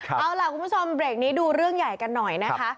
เอาล่ะคุณผู้ชมเบรกนี้ดูเรื่องใหญ่กันหน่อยนะคะ